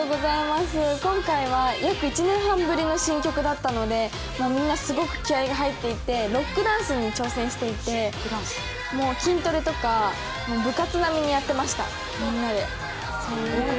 今回は約１年半ぶりの新曲だったのでみんなすごく気合いが入っていてロックダンスに挑戦していてもう筋トレとか部活並みにやってました、みんなで。